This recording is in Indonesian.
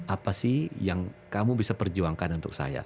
apa sih yang kamu bisa perjuangkan untuk saya